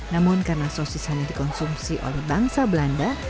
namun karena sosis hanya dikonsumsi oleh bangsa belanda